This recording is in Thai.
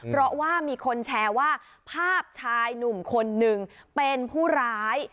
เพราะว่ามีคนแชร์ว่าภาพชายหนุ่มคนหนึ่งเป็นผู้ร้าย